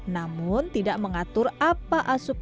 namun tidak mengatur apa asupan